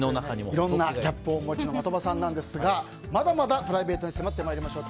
いろんなギャップをお持ちの的場さんですがまだまだプライベートに迫ってまいりましょう。